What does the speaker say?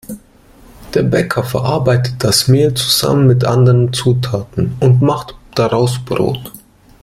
Der Bäcker verarbeitet das Mehl zusammen mit anderen Zutaten und macht daraus Brot.